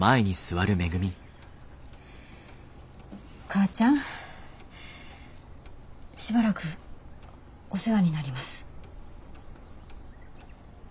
母ちゃんしばらくお世話になります。